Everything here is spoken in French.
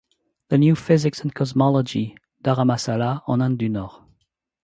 The New Physics & Cosmology, Dharamsala, en Inde du nord.